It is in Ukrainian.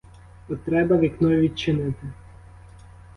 От треба вікно відчинити.